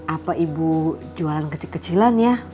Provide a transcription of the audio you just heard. apa ibu jualan kecil kecilan ya